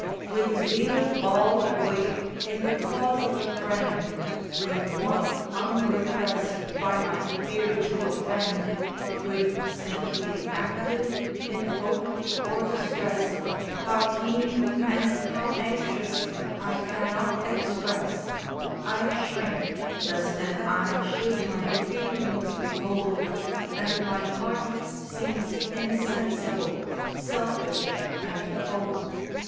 With zeal all awake in the cause of a friend, With warmth unrepress'd by my fear to offend, With sympathy active in hope or distress, How keen and how anxious I cannot express, I shrink, lest an eye should my feelings behold, And my heart seems insensible, selfish and cold.